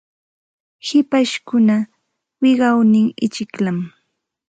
Hipashkunapa wiqawnin ichikllam.